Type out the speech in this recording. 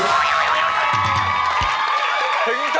แม่ไพงก็สุระ